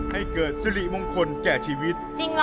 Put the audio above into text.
ให้เกิดสิริมงคลแก่ชีวิต